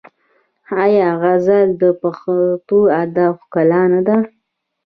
آیا غزل د پښتو ادب ښکلا نه ده؟